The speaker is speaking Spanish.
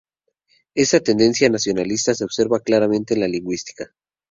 Esta tendencia ‘nacionalista’, se observa claramente en la lingüística.